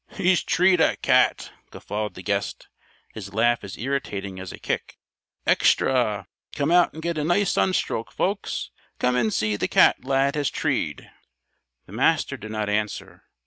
"He's treed a cat!" guffawed the guest, his laugh as irritating as a kick. "Extra! Come out and get a nice sunstroke, folks! Come and see the cat Lad has treed!" The Master did not answer.